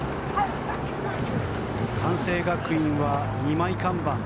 関西学院は２枚看板。